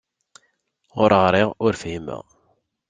Ur ɣriɣ, ur fhimeɣ.